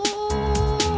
udah tenang aja